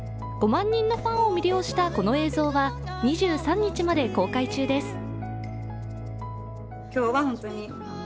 ５万人のファンを魅了したこの映像は２３日まで公開中です。